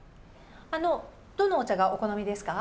どのお茶がお好みですか。